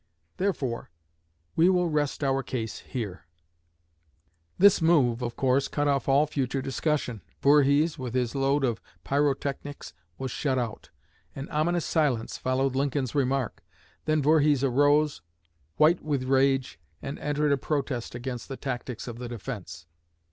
Therefore we will rest our case here." This move, of course, cut off all future discussion. Voorhees, with his load of pyrotechnics was shut out. An ominous silence followed Lincoln's remark; then Voorhees arose, white with rage, and entered a protest against the tactics of the defense.